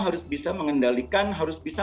harus bisa mengendalikan harus bisa